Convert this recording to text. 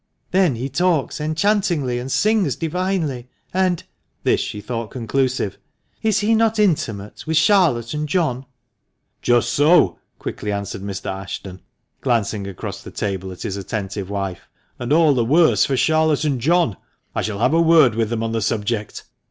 Then he talks enchantingly, and sings divinely. And "— this she thought conclusive —" is he not intimate with Charlotte and John ?" "Just so," quickly answered Mr. Ashton, glancing across the table at his attentive wife, "and all the worse for Charlotte and John. I shall have a word with them on the subject.